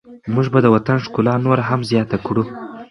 موږ به د وطن ښکلا نوره هم زیاته کړو.